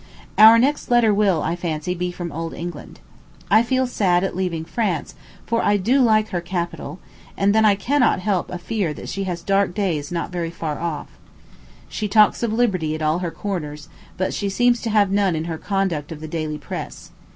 Our next letter will, I fancy, be from Old England. I feel sad at leaving France, for I do like her capital; and then I cannot help a fear that she has dark days not very far off. She talks of liberty at all her corners, but she seems to have none in her conduct of the daily press.